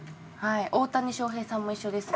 大谷翔平さんも一緒です。